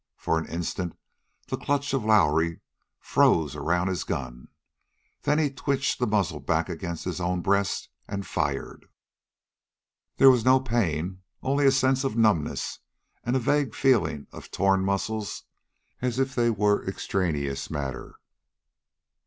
For an instant the clutch of Lowrie froze around his gun; then he twitched the muzzle back against his own breast and fired. There was no pain only a sense of numbness and a vague feeling of torn muscles, as if they were extraneous matter.